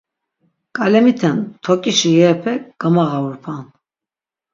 Ǩalemiten toǩişi yerepe gamağarupan.